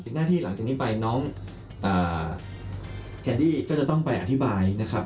หน้าที่หลังจากนี้ไปน้องแคนดี้ก็จะต้องไปอธิบายนะครับ